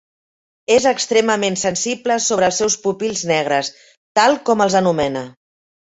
És extremament sensible sobre els seus pupils negres, tal com els anomena.